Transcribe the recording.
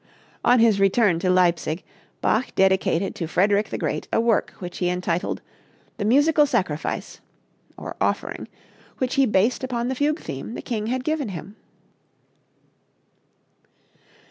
On his return to Leipsic, Bach dedicated to Frederick the Great a work which he entitled "The Musical Sacrifice" (or offering), which he based upon the fugue theme the king had given him.